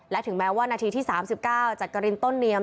และถึงแม้ว่านาทีที่๓๙จักรินต้นเนียม